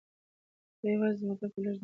دا یوازې ځمکې ته لږ نږدې ده.